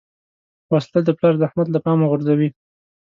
وسله د پلار زحمت له پامه غورځوي